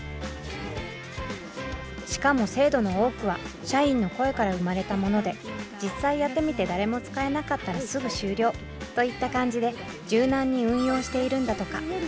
しかも制度の多くは社員の声から生まれたもので実際やってみて誰も使えなかったらすぐ終了といった感じで柔軟に運用しているんだとか。